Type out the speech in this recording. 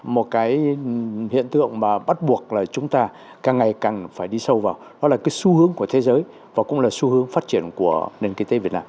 một hiện tượng bắt buộc chúng ta càng ngày càng đi sâu vào đó là xu hướng của thế giới và xu hướng phát triển của nền kinh tế việt nam